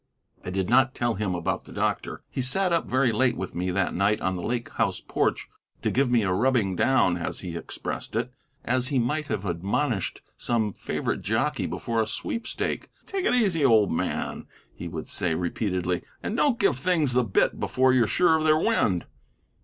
I did not tell him about the doctor. He sat up very late with me that night on the Lake House porch to give me a rubbing down, as he expressed it, as he might have admonished some favorite jockey before a sweepstake. "Take it easy, old man," he would say repeatedly, "and don't give things the bit before you're sure of their wind!"